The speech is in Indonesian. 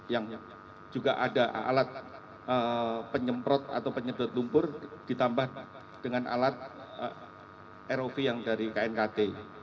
yang juga ada alat penyemprot atau penyedot lumpur ditambah dengan alat rov yang dari knkt